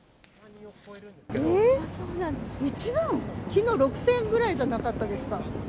きのう、６０００ぐらいじゃなかったですか。